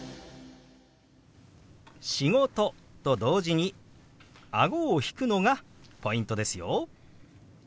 「仕事」と同時にあごを引くのがポイントですよ。